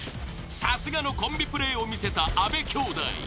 さすがのコンビプレイを見せた阿部兄妹。